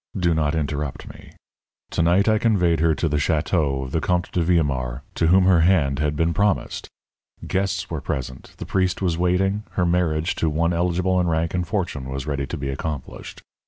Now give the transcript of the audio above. Do not interrupt me. To night I conveyed her to the château of the Comte de Villemaur, to whom her hand had been promised. Guests were present; the priest was waiting; her marriage to one eligible in rank and fortune was ready to be accomplished.